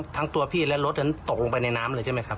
ทั้งตัวพี่และรถนั้นตกลงไปในน้ำเลยใช่ไหมครับ